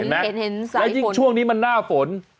แล้วยิ่งช่วงนี้มันหน้าฝน